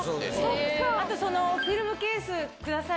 あと、そのフィルムケースください。